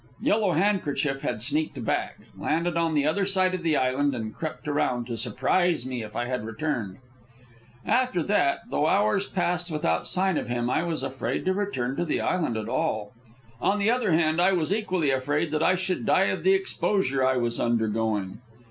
Yellow Handkerchief had sneaked back, landed on the other side of the island, and crept around to surprise me if I had returned. After that, though hours passed without sign of him, I was afraid to return to the island at all. On the other hand, I was equally afraid that I should die of the exposure I was undergoing.